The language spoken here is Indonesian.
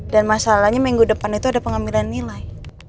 dan masalahnya minggu depan itu ada pengambilan nilai